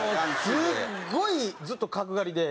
すっごいずっと角刈りで。